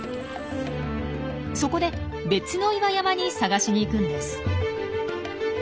そこで別の岩山に探しに行くんです。